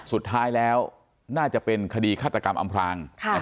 สุดท้ายแล้วน่าจะเป็นคดีฆาตกรรมอำพราง